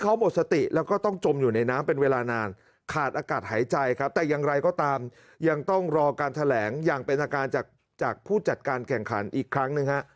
การแถลงอย่างเป็นอาการจากผู้จัดการแข่งขันอีกครั้งหนึ่ง